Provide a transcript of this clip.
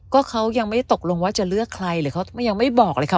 ก็เขายังไม่ตกลงว่าจะเลือกใครหรือเขายังไม่บอกเลยค่ะ